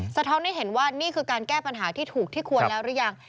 สะท้อนให้เห็นว่านี่คือการแก้ปัญหาที่ถูกที่ควรแล้วหรือยัง